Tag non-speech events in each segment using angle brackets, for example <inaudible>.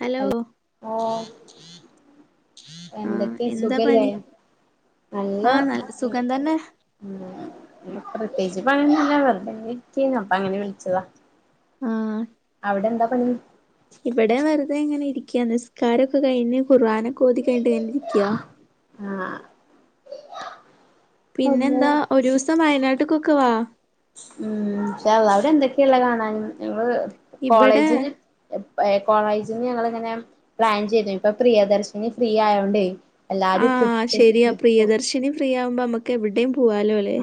Hello ഓ ആ എന്തൊക്കെ എന്താ സുഖല്ലേ. പണി നല്ല ആ സുഖം തന്നെ <unintelligible> പ്രത്യേച്ച് പണിന്നുല്ല വെർതെങ്ങനെ ഇരിക്കെനു അപ്പ അങ്ങനെ വിളിച്ചതാ ആഹ് അവിടെ എന്താ പണി. ഇവിടെ വെറുതെ ഇങ്ങനെ ഇരിക്കാ നിസ്കാരം ഒക്കെ കഴിഞ്ഞ് ഖുർആനൊക്കെ ഓദിക്കഴിഞ്ഞട്ട് ഇങ്ങനെ ഇരിക്ക. ആഹ് പിന്നെ പിന്നെന്താ ഒരുസം വയനാട്ട്ക്കൊക്കെവാ. ഉം ഇശാല്ലാഹ് അവിടെ എന്തൊക്കെയള്ളെ കാണാനും ഇവ്ടെ ഇവിടെ കോളേജില് പ്പഏഹ് കോളേജിന്ന് ഞങ്ങളിങ്ങനെ പ്ലാൻ ചെയ്തു ഇപ്പൊ പ്രിയദർശിനി ഫ്രീ ആയോണ്ടെ. ആഹ് ശരിയാ പ്രിയദർശിനി ഫ്രീ ആവുമ്പോ നമ്മുക്ക് എവിടെയും പുവാല്ലോ അല്ലെ.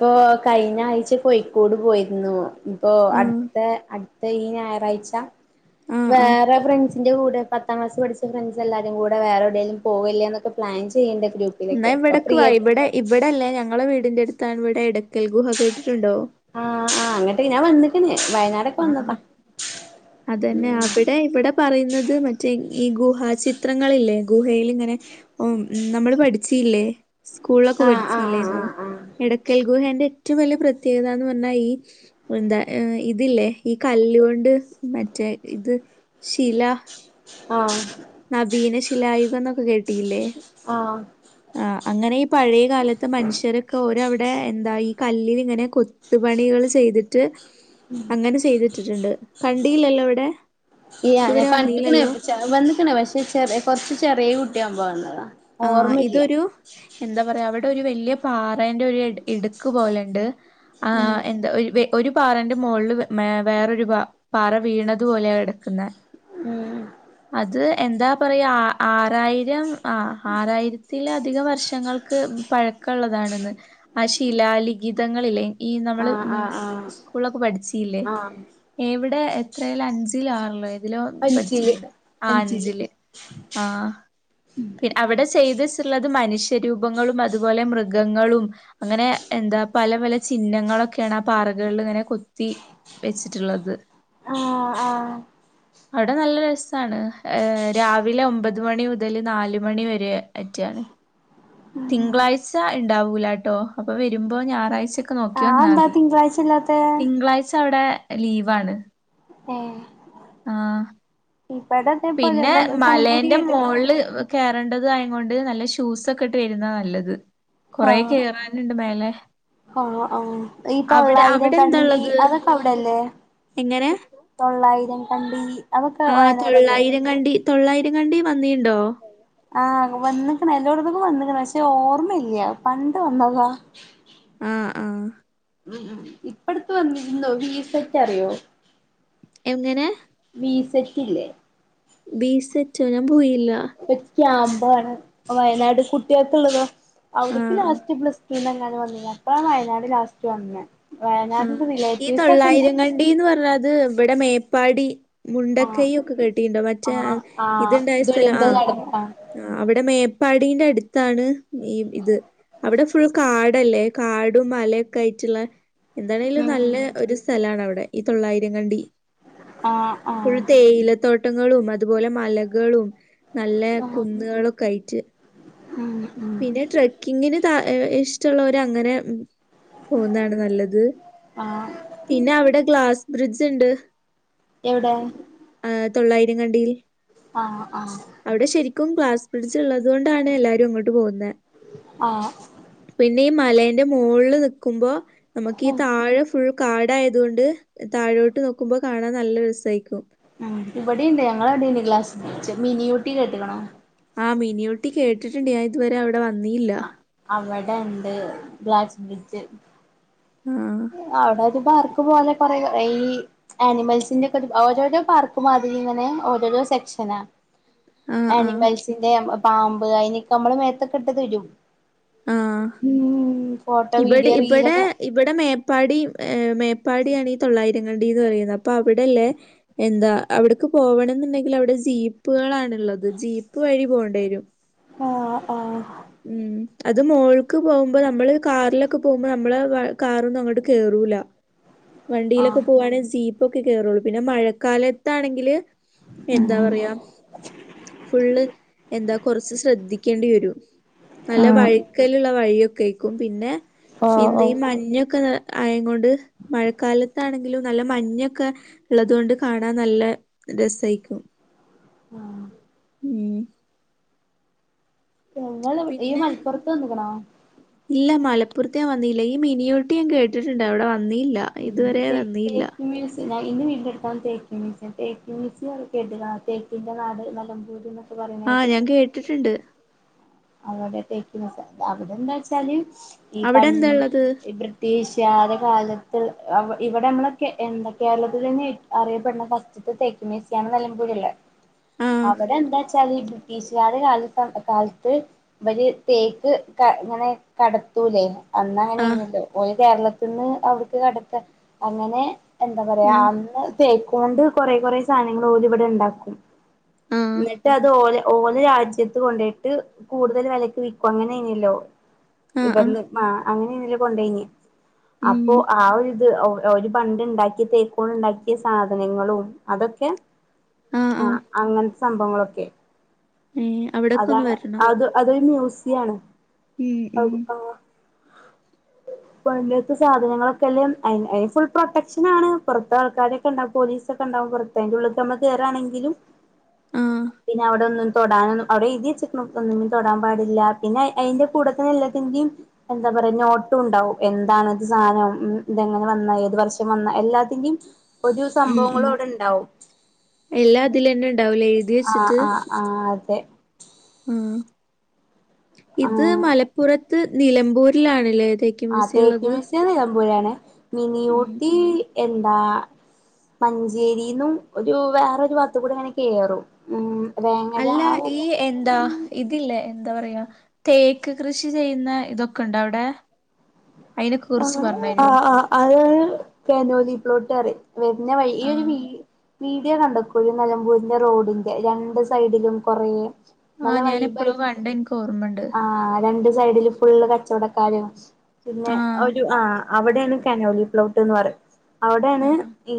ഇപ്പോ കഴിഞ്ഞ ആഴ്ച കോഴിക്കോട് പോയിരുന്നു ഇപ്പോ ആ അടുത്ത അ ട്ത്ത ഈ ഞായറാഴ്ച. ആ ആ വേറെ ഫ്രണ്ട്സിന്റെ കൂടെ പത്താം ക്ലാസ് പഠിച്ച ഫ്രണ്ട്സ് എല്ലാരും കൂടെ വേറെവിടെലും പോകല്ലെന്നോക്കെ പ്ലാൻ ഞാൻ ചെയ്യണ്ട് എന്നാ ഗ്രൂപ്പിലൊക്കെ ഇപ്പൊ ഇവിടെക്ക് പ്രിയ വാ ഇവിടെ ഇവിടെല്ലേ ഞങ്ങളുടെ വീടിന്റെ അടുത്താണ് ഇവിടെ ഇടക്കൽ ഗുഹ കേട്ടി ആഹ് ആഹ് അങ്ങോട്ടേ ഞാൻ വന്നിക്കണ്. വയനാടൊക്കെ വന്നതാ ആഹ് അത് തന്നെ ഉം അവിടെ ഇവിടെ പറയുന്നത് മറ്റേ ഈ ഗുഹാ ചിത്രങ്ങളില്ലേ ഗുഹേല് ഇങ്ങനെ നമ്മൾ പഠിച്ചീല്ലേ സ്കൂളിലൊക്കെ ആഹ് ആഹ് പഠിച്ചില്ലേന്നോ ആഹ് ആഹ് എടക്കൽ ഗുഹേന്റെ ഏറ്റവും വലിയ പ്രത്യേകത എന്ന് പറഞ്ഞാ ഈ എന്താ ഇ ഇതില്ലേ ഈ കല്ലുകൊണ്ട് മറ്റേ ഇത് ശില ആഹ് നവീന ശിലായുഗം എന്നൊക്കെ കേട്ടിയില്ലേ. ആഹ് ആഹ് അങ്ങനെ ഈ പഴയ കാലത്ത് മനുഷ്യരൊക്കെ ഓരവിടെ എന്തായി കല്ലിലിങ്ങനെ കൊത്തുപണികള് ചെയ്തിട്ട് അങ്ങനെ ചെയ്തിട്ടിട്ടുണ്ട് കണ്ടീല്ലല്ലോ ഇവിടെ അയ്യ ഞാൻ ഇതുവരെ കണ്ടിക്കണ് വന്നീലല്ലോ വന്ന്ക്കണ് പക്ഷെ ചെറ കുറച്ച് ചെറിയ കുട്ടിയാകുമ്പോണ്. ആഹ് ഇതൊരു എന്താ പറയാ അവി ഒരു വലിയ പാറെന്റെ ഒരു ഇടുക്ക് പോലെണ്ട് ആ ഉം എന്താ ഒരു ഒരു പാറന്റെ മോളില് വേറൊരു പാറ വീണതു പോലെയ കിടക്കുന്നെ. ഉം അത് എന്താ പറയാ ആറായിരം ആ ആറായിരത്തില അധികം വർഷങ്ങൾക്ക് പഴക്കള്ളതാണെന്ന് ആ ശിലാലിഖിതങ്ങളിലെ ഈ നമ്മള് ആഹ് ആഹ് ആഹ് സ്കൂളൊക്കെ പഠിച്ചില്ലേ ആഹ് എവ് ഇവിടെ എത്രേല് അഞ്ചിലോ ആറിലോഏതിലോ അഞ്ചില് പഠിച്ചിട്ടുണ്ട്. അഞ്ചില് ആ പി അവിടെ ചെയ്ത്ച്ചുള്ളത് മനുഷ്യരൂപങ്ങളും അതുപോലെ മൃഗങ്ങളും അങ്ങനെ എന്താ പല പല ചിഹ്നങ്ങളൊക്കെയ. ആ പാറകളിലിങ്ങനെ കൊത്തി വെച്ചിട്ടുള്ളത്. ആഹ് ആ അവിടെ നല്ല രസ ആണ് രാവിലെ ഒമ്പത് മണി മുതൽ നാല് മണി വരെ അറ്റെ ആണ്. തിങ്കളാഴ്ച ഉണ്ടാവൂല കേട്ടോ അപ്പൊ വരുമ്പോ ഞായറാഴ്ച നോക്കി ആഹ് വന്നാൽ അതെന്താ മതി തിങ്കളാഴ്ച ഇല്ലാത്തെ തിങ്കളാഴ്ച അവിടെ ലീവാണ് ഏഹ് ആഹ ഇവിടെ അതേപോലെ പിന്നെ നെല നെലമ്പൂരി മലേന്റെ കേട്ട്ക്കണോ മോൾ വറണ്ടത് ആയ കൊണ്ട് നല്ല ഷൂസ്ൊക്കെ ഇട്ട് വരുന്നാ നല്ലത് കൊറ കേറാനുണ്ട് മേലെ ആഹ ആ ഈ അവിടെ തൊള്ളായിധം അവിടെ എന്താ കണ്ടി ഉള്ളത് അതൊക്കെ അവിടെല്ലേ എങ്ങനെ തൊള്ളായിരം കണ്ടി അതൊക്കെ ആഹ് വായന തൊള്ളായിരം കണ്ടി തൊള്ളായിരം കണ്ടി വന്നീുണ്ടോ ആഹ വന്നക്കണ എല്ലോടന്നക്ക വന്നണ പക്ഷെ ഓർമ്മയില്ല പണ്ട് വന്നതാ ആഹ ആഹ ഉ ഇപ്പടത്ത വന്നിരുന്നോ വീസ ഒക്ക അറിയോ എങനെ പസറ്റ്ല്ലേ ബീസ്റ്റോ ഞാൻ പോയില്ല ഇപ്പ <unintelligible> ക്യാമ്പാണ് വയനാട് കുട്ടികൾക്ക ഉള്ളതാ അവിട്ക്ക്‌ ആഹ് ആഹ് ലാസ്റ്റ് പ്ലസ് ടു നങ്ങാനും വന്നിനി അപ്പ വയനാട് ലാസ്റ്റ് വന്ന ആ ഈ തൊള്ളായിരംകണ്ടിന്ന് പറഞ്ഞത് ഇവിടെ മേപ്പാടി ആ മുണ്ടക്കയ ഒക്കെ കെട്ടിട്ടുണ്ടോ മറ്റേ ആ ആ ഇതുണ്ടായ സ്ഥലം ആ ദുരന്തം നടന്ന ആ അവിടെ മേപ്പാടിീന്റെ അടുത്താണ് ഈ ഇത് അവിടെ ഫുൾ കാടല്ലേ കാടും മലയൊക്കെ ആയിട്ടുള്ള എന്താണെങ്കിലും ഉം നല്ല ഒരു സ്ഥലണ അവിടെ ഈ തൊള്ളായിരംകണ്ടി ആ ആ ഫുള്ള് ത്തേയിലതോട്ടങ്ങളും അതുപോലെ മലകളും നല്ല കുന്നുകളൊക്കെ ആയിട്ട് പിന്നെ ട്രക്കിങ്ങിന് ഇഷ്ടമുള്ളവർ അങ്ങനെ പോകുന്നതാണ് നല്ലത് ആ പിന്നെ അവിടെ ഗ്ലാസ് ബ്രിഡ്ജ് ഉണ്ട് എവിടെ തൊള്ളയിരം കണ്ടിയിൽ ആ ആ അവിടെ ശെരിക്കും ഗ്ലാസ്‌ ബ്രഡ്ജ് ഉള്ളത് കൊ എും അങ്ങോട്ട് പോുന്നത് ആ പിന്ന <unintelligible> മലന്റെ മുകളിൽ നക്കുമ്പോ നമുക്ക് ഈ താഴെ ഫുൾ കാടായതുകൊണ്ട് താഴോട്ട് നോക്കുമ്പോ കാണാൻ നല്ല രസഹിക്കും ഉം ഇവിടെയുണ്ട് ഞങ്ങളവിടെയുണ്ട് ഗ്ലാസ് ബ്രഡ്ജ് മിനിയൂട്ടി കെട്ടക്കണോ ആ മിനിയോട്ടി കേട്ടിട്ടുണ്ട് ഞാൻ ഇതുവരെ അവിടെ വന്നില്ല അവിടെ ഉണ്ട് ഗ്ലാസ്‌ ബ്രിഡ്ജ് ആ അവിടെ അത് ബാർ പോലെ കുറെേ ഈ ആനിമൽസിന്റെ ഒക്കെ ഓരോരോ പാർക്ക് മാതിരി ഇങ്ങനെ ഓരോരോ സെക്ഷനാ ആ ആ ആനിമൽസിന്റെ പാമ്പ് അതിനൊക്കെ നമ്മള് മേത്തൊക്കെട്ട് ത രും ആഹ് ഇവിടെ വീഡിയോ ഇവിടെ റീലൊക്കെ ഇവിടെ മേ- പടിയും മേപ്പാടിയാണേ ഈ തൊള്ളായിരങ്കണ്ടിന്ന് പറയുന്നത് അപ്പൊ അവിടെല്ലേ എന്താ അവിടക്ക്‌- പോവണം എന്നുണ്ടെങ്കിൽ അവിടെ ജീപ്പുകളാണ് ഉള്ളത് ജീപ്പ് വഴി പോകേണ്ടി വരും ആഹ് ആഹ് ഉം അത് മോൾക്ക് പോകുമ്പോ നമ്മള് കാറിലൊക്കെ പോകുമ്പോ നമ്മളെ കാറൊന്നും അങ്ങോട്ട് കേറൂല വണ്ടിയിലൊക്കെ ആഹ് പോവാണേ ജീപ്പൊക്കെ കേയറുള്ളൂ പിന്നെ മഴക്കാലത്താണെങ്കില്- എന്താ പറയാ ഫുള്ള് എന്താ കുറച്ച് ശ്രദ്ധിക്കേണ്ടി വരും നല്ല ആഹ് വഴക്കലുള്ള വഴിയൊക്കെ ആക്കും പിന്നെ- ഓ എന്ത് ഓ ഈ മഞ്ഞൊക്കെ ആയം കൊണ്ട് മഴക്കാലത്താണെങ്കിലും നല്ല മഞ്ഞൊക്കെ ഉള്ളതുകൊണ്ട് കാണാൻ നല്ല- രസായിക്കും ഉം ഉം ഞങ്ങള് ഈ പിന്നെ മലപ്പുറത്ത് വന്ന്ക്ക്ണോ ഇല്ല മ പ്പർത്തിയാ വന്നില്ല്യാ ഈ മിനിയൂരിറ്റി ഞാൻ കേട്ടിട്ടുണ്ട് അവിടെ വന്നീല്ല്യാ ഇതുവരെ വന്നീല്ല്യാ ഞാൻ ഇന്ന വീട്ടിൻ്റെടുത്താണ് തേക്കീ <unintelligible> തേക്കിൻ്റെ നാട് നെലമ്പൂര്ന്ന് ആഹ് ഞാൻ കേട്ടിട്ടുണ്ട് അവിട <unintelligible> അവിടെന്ന് വെച്ചാല് ഈ പ അവിടെ എന്താ ഉള്ളത് ബ്രിട്ടീഷ് തകാലത്ത് ഇവിടെ നമ്മളെക്കെ എന്തെക്കെ കേരളത്തിലന്നെ അറിയപ്പെടുന്ന ഫസ്റ്റിത്ത തേ <unintelligible> നെലമ്പൂരിള്ള ആഹ് അവിടെ എന്താ വെച്ചാല് ഈ ബ്രിട്ടീഷുകാരുടെ കാലത്ത് കാല ത്ത് വലിയ തേക്ക് ഇങ്ങനെ കടത്തൂലേ അന്നങ്ങനെ ആഹ് <unintelligible> പോയി കേരളത്തിന്ന് അവിടുക്ക് കടത്ത അങ്ങനെ എന്താ പറയാ ഉം അന്ന് തേക്കും കൊണ്ട് കൊറെ കൊറെ സാധനങ്ങള് ഓല് ഇവിടെ ഇണ്ടാക്കും ആഹ് എന്നിട്ട് അത് ഓല് ഓല് രാജ്യത്ത് കൊണ്ടോയിട്ട് കൂടുതല് വെലക്ക് വിൽക്കും അങ്ങനെനല്ലോ ആഹ് ആഹ് ഇവിന്ന് ആ അങ്ങനെനല്ലോ കൊണ്ടേയിനി ഉം അപ്പൊ ആ ഒരിത് ഒല് പണ്ട് ഇണ്ടാക്കിയ തേക്കോണ്ട് ഇണ്ടാക്കിയ സാധനങ്ങളും അതൊക്കെ ആഹ് അങ്ങനത്തെ സംഭവങ്ങളൊക്കെ മ് അവിടൊക്കൊന്ന് അതാണ് വരണം അത് അതൊരു മ്യൂസിയാണ് ഉം ഉം പണ്ടത്തെ സാധനങ്ങളൊക്കെല്ലേ അ ഫുൾ പ്രൊട്ടക്ഷൻ ആണ് പുറത്തെ ആൾക്കാരൊക്കെ ഉണ്ടാ പോലീസ് സൊക്കെ ഇണ്ടാവകും പുറത്ത് അയിൻ്റ ഉള്ളിക്ക് നമ്മക്ക് കേറാണെങ്കിലും ആഹ് പിന്നെ അവിടെ ഒന്നും തൊടാനൊന്നും അവിടെ എഴുതി വെ ഒന്നും തൊടാൻ പാടില്ല പിന്നെ അയിന്റെ കൂടെത്തന്നെ എല്ലാത്തിന്റെയും എന്താ പറയാ നോട്ടും ഉണ്ടാവും എ എന്താണ് ഇത് സാധനം ഇതെങ്ങനെ വന്ന ഏത് വർഷം വന്ന എല്ലാത്തിന്റെയും ഒരു സംഭവങ്ങളും അവിടെ ഇണ്ടാവും- എല്ലാ അതിലന്നെ ഉണ്ടാവലേ എഴുതി വെച്ചിട്ട്- തെ- ആഹ് ഇത് ആഹ് മലപ്പുറത്ത് നിലമ്പൂരിലാണില്ലേ? ആഹ് തേക്ക് മീസിയം ഞാൻ പോയാണ് ഉം മിനിയൂട്ടി എന്താ- മഞ്ചേരിന്നും ഒരു വേറരു വത്ത് കൂടെ അങ്ങനെ കേറും ഉം- വേങ്ങര അല്ല ആ ഈ ഭാഗ എന്താ ഇതില്ലേ? എന്താ പറയാ തേക്ക് കൃഷി ചെയ്യുന്ന ഇതൊക്കെ ഉണ്ടോ അവിടെ? അയിനൊക്കെ കുറിച്ച് ആഹ് പറഞ്ഞരോ ആഹ് ആഹ് അത് കെനോദിപ്ലൊട്ടെന്ന്പറയും- വരുന്ന വഴി ഈ ഒരു ആഹ് വീ വീഡിയ കണ്ടക്കൂഈ നെലമ്പൂരിന്റെ റോഡിന്റെ രണ്ട് സൈഡിലും കൊറെ- നല്ല ആഹ് ഞാൻ എപ്പോഴോ വൈബായി് കണ്ട് എനിക്ക് ഓർമ്മണ്ട് ആഹ് രണ്ട് സൈഡിലും- ഫുള്ള് കച്ചവടക്കാരു പിന്നെ ആഹ് ഒരു ആഹ് അവിടെയാണ് കനോലി പ്ലോട്ട് എന്ന് പറയും- അവിടെയാണ് ആഹ് ഈ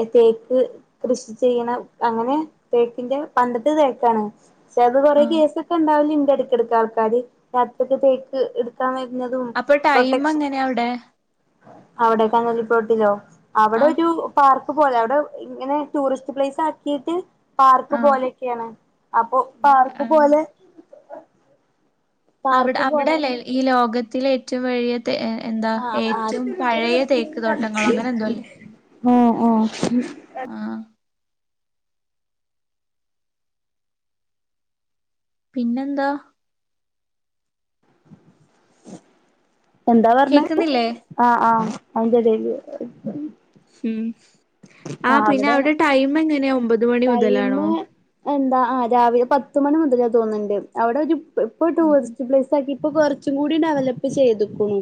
ഏ തേക്ക് കൃഷി ചെയ്യണ അങ്ങനെ തേക്കിന്റെ പണ്ടത്തെ തേക്കാണ് പക്ഷെ അത് കൊറേ ആഹ് കേസൊക്കെ ഉണ്ടാവില്ല ഇന്റെ അടക്കിടക്കക്ക് ആൾക്കാര് രാത്രിൊക്ക് തേക്ക് എടുക്കാൻ വരുന്നതും അപ്പൊ ടൈം പ്രൊട്ടക്ഷൻ എങ്ങനെയ അവിടെ അവിടെ കണലി പോട്ടിലോ അവിടെ ആഹ് ഒരു പാർക്ക് പോലെ അവിടെ ഇങ്ങനെ ടൂറിസ്റ്റ് പ്ലേസ് ആക്കിട്ട് പാർക്ക് ആഹ് പോലെയൊക്കെയാണ് അപ്പോ പാർക്ക് ആഹ് പോലെ അവിടെ പാർക്ക് പോലെ അവിടെല്ലേ ഈ ലോകത്തില ഏറ്റവും വലിയ എന്താ ആഹ് ആഹ് ഏറ്റവും പഴയ തേക്ക് തോട്ടങ്ങളോ അങ്ങനെ എന്തോല്ലേ ഉം ഉം പിന്നെന്താ എന്താ പറഞ്ഞത് കേക്കുന്നില്ലേ ആ ആ <unintelligible> ഉം ആ പിന്നെ അവിടെയാണ് അവിടെ ടൈം എങ്ങനെയാ ഒമ്പത് മണി മുതലാണോ ടൈമ് എന്താ രാവിലെ പത്ത് മണി മുതലാ തോന്ന്ണ്ട് അവിടെ ഒരു ഇപ്പോൊ ഉം ഉം ടൂറിസ്റ്റ് പ്ലേസ് ആക്കിട്ട് ഇപ്പൊ കൊറച്ചും കൂടി ഡെവലപ്പ് ചെയ്തുക്കണു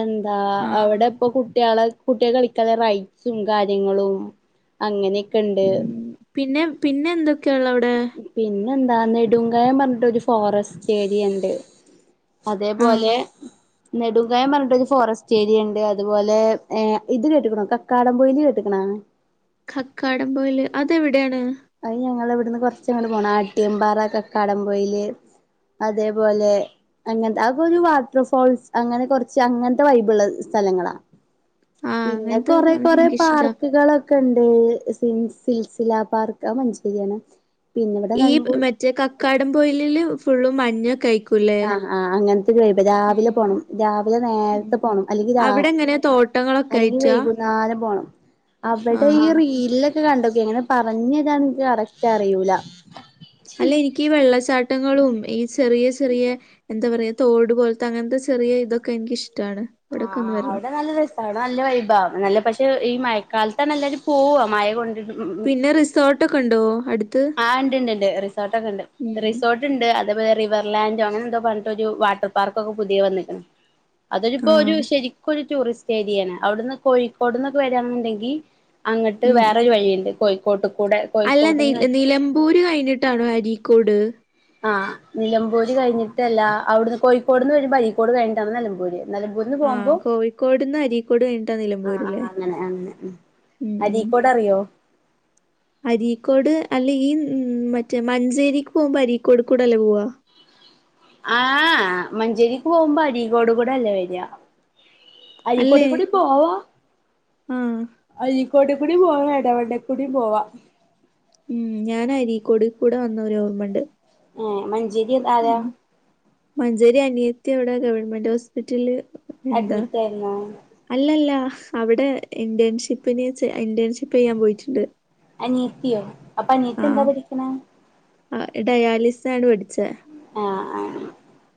എന്താ ആഹ് അവിടെ ഇപ്പൊ കുട്ടികളെ കുട്ടികെ കളിക്കാതെ റൈറ്റ്സും കാര്യങ്ങളും അങ്ങനെയൊക്കെ ഇണ്ട് ഉം പിന്നെ പിന്നെ എന്തൊക്കെയാള്ളോ അവിടെ പിന്നെ എന്താ നെടുംങ്കായം പറഞ്ഞിട്ട് ഒരു ഫോറസ്റ്റ് ഏരിയ ഇണ്ട് ആഹ് അതേപോലെ നെടുങ്കായം പറഞ്ഞിട്ട് ഒരു ഫോറസ്റ്റ് ഏരിയ ഉണ്ട് അതുപോലെ ഏ ഇത് കേട്ടക്കണോ കക്കാടംപൊയിയില് കേട്ടക്കണ ഉം കക്കാടം പോയിൽ അതെവിടെയാണ് അ ഞങ്ങള ഇവിടുന്ന് കൊറച്ചഞങ്ങള്ൾ പോണം അട്ടിയമ്പാറ കെക്കാടം പോയിയില് അതേപോലെ അങ്ങനത്തെ അ ഒരു വാട്ടർ ഫോൾസ് അങ്ങനെ കുറച്ച് അങ്ങനത്തെ ബൈബിൾ സ്ഥലങ്ങളാ ആഹ് പിന്നെ അങ്ങനത്തെ കൊറ കൊറ എനിക്കിഷ്ടാ പാർക്കുകളൊക്കെ ഉണ്ട് <unintelligible> സിൽസില പാർക്ക് ആ മഞ്ചേരിയാണ് പിന്നെ ഇവിടെ ഈ നിലമ്പൂർ മറ്റേ കക്കാടംപൊലില് ഫുള് മഞ്ഞ കഴികു ആ ആ അങ്ങനത്തെ ഗ്രേയ്ഡ് രാവിലെ പോണം രാവിലെ ഉം നേരത്തെ പോണം അല്ലെങ്കിൽ രാ അവിടെ എങ്ങനെ തോട്ടങ്ങളൊക്കെ അല്ലെങ്കി ആയിട്ടാ വൈകുന്നാരം പോണം അവിടെ ആഹ് ഈ ആഹ് റീലൊക്കെ കണ്ടോക്കെ എങ്ങനെ പറഞ്ഞതാ കറക്റ്റ് അറിയൂല ഇട്ടങ്ങളും ഈ ചെറിയ ചെറിയ എന്താ പറയയാ തോട് പോലത്തെ അങ്ങനത്തെ ചെറിയ ഇതൊക്കെ എനിക്ക്ിഷ്ട്ട ആ ആ അവിടെ നല്ല രസ നല്ല വൈഭ നല്ല പക്ഷെ ഈ മഴക്കാലത്ത അല്ലാരും പോവ മഴ കൊണ്ട പിന്നെ റിസോർട്ട്ൊക്കെ ഉണ്ടോ അടുത്ത് ആഹ് ഉണ്ട് ഉണ്ട് റിസോർട്ട് ഒക്കെ ഉണ്ട് ഉം റിസോർട്ട ഇണ്ട് അതേപോലെ റിവർലാൻഡോ അങ്ങനെ എന്തോ പറഞ്ഞിട്ടോ വാട്ടർ പാർക്കൊക്കെ പുതിയ വന്നിക്ണ് അതൊരിപ്പോൊ ഒരു ആഹ് ശരിക്കുംൊ ഒരു ടൂറിസ്റ്റ് ഏരിയാണ് അവിടുന്ന് കോഴിക്കോട്ന്നൊക്കെ വരാണുണ്ടെങ്കിൽ അങ്ങിട്ട് ഉം ഉം വേറരു വഴിയുണ്ട് കോഴിക്കോട്ട കൂടെ കോഴിക്കോട്ടന്ന് പോര് കഴിഞ്ഞിട്ടാണോ അരീക്കോട് ആഹ് നിലമ്പൂര് കഴിഞ്ഞിട്ടല്ല അവിടുന്ന് കോഴിക്കോട്ന്ന് വരുമ്പോ അരീകോട് കഴിഞ്ഞട്ടാണ് നിലമ്പൂര് നിലമ്പൂർന്ന് ആഹ് പോകുമ്പോ കോഴിക്കോട്ന്ന് അരീക്കോട് കഴിഞ്ഞിട്ടാ ആ ആ നിലമ്പൂര്ല്ലേ അങ്ങനെ അങ്ങനെ ഉം ഉം അരിക്കോടെ അറിയോ അരീക്കോട് അല്ല ഈ ഉം മറ്റേ മഞ്ചേരിക്ക് പോകുമ്പോ അരീക്കോട് കൂടെ അല്ലേ പോവാ ആ മഞ്ചേരിക്ക് പോകുമ്പോ അരീകൊട് കൂടെ അല്ലേ വരിയാ അയിക്കടെ അല്ലേ കൂടെ പോവാ ആഹ് അയി കോട്ടിക്കുടി പോവാന ഇടവണ്ണ്ടക്കൂടി പോവാ ഉം ഞാനരിക്കോടിൽ കൂടെ വന്ന ഒരു ഓർമ്മണ്ട് ഏ മഞ്ചേരി എന്ത ആരാ ഉം മഞ്ചേരി അനിയത്തി അവിടെ ഗവൺമെന്റ് ഹോസ്പിറ്റലില് എന്താ അഡ്മിറ്റ് ആയിരുന്നോ അല്ലല്ല അവിടെ ഇന്റേൺഷിപ്പിന് വ ഇന്റേൺഷിപ്പ് ചെയ്യാൻ പോയിട്ടുണ്ട് നീത്തിയോ അപ്പൊ നീത്തി എന്താ പരിക്കണ ആ ഡയാലിസിസ ആണ് പടിച്ച ആ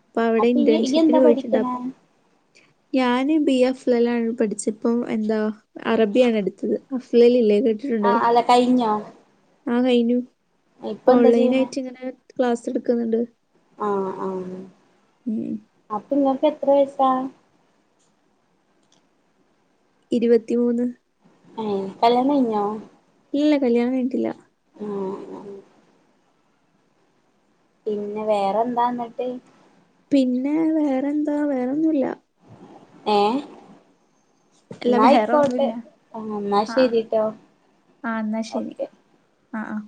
അപ്പൊ അവിടെ ഇന്റേൺഷിപ്പന് പോയിട്ടുണ്ട ഞാന് ബി അഫ്ലലണ് പഠിച്ച ഇപ്പം എന്താ അറബിയാണ് എടുത്തത് അഫ്ലല ഇല്ലേ ആഹ അതാ കഴിഞ്ഞോ ആഹ കഴിഞ്ഞു ഇപ്പൊ എന്താ ചെയ്യണേ ഓൺലൈൻയിട്ട് ഇങ്ങനെ ക്ലാസ് എടുക്കുന്നുണ്ട് ആ ആ ഉം നിങ്ങക്ക് എത്ര വയസാ ഇരുപത്തി മൂന്ന് അ കല്യാണം കഴിഞ്ഞോ ഇല്ല കല്യാണം കഴിഞ്ഞിട്ട്ല്ല ആ പിന്നെ വേറെന്താന്നിട്ട് പിന്നെ വേറെന്താ വേറെന്നുല്ല ഏ അല്ല എന്ന ആയിക്കോട്ടെ വേറൊന്നുല്ല ആഹ എന്നാ ആ ശെരിട്ടോ ആ എന്നാ ശരി ആഹ ആഹ